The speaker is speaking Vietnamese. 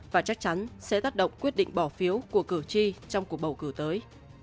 và chắc chắn sẽ tác động quyết định bỏ phiếu của cử tri trong cuộc bầu cử tới